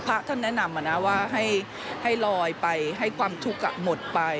พระท่านแนะนำว่าให้ลอยไปให้ความทุกข์หมดไป